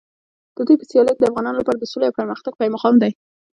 د دوی په سیالیو کې د افغانانو لپاره د سولې او پرمختګ پیغام دی.